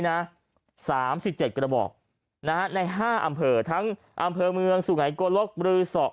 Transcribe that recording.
นี้นะ๓๗กระบอกนะใน๕อำเภอทั้งอำเภอเมืองสุหัยกลกบรือศก